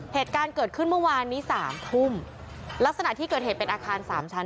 เหตุการณ์เกิดขึ้นเมื่อวานนี้สามทุ่มลักษณะที่เกิดเหตุเป็นอาคารสามชั้น